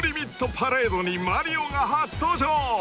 パレードにマリオが初登場！］